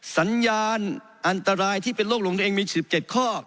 สัญญาณอันตรายที่เป็นโรคหลงตัวเองมี๑๗ข้อ